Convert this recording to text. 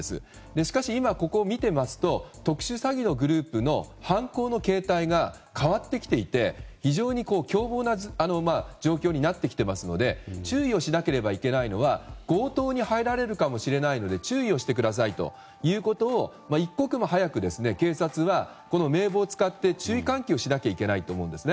しかし、今ここを見ていると特殊詐欺のグループの犯行の形態が変わってきていて非常に凶暴な状況になってきていますので注意をしなければいけないのは強盗に入られるかもしれないので注意をしてくださいということを一刻も早く警察は名簿を使って注意喚起をしないといけないと思うんですね。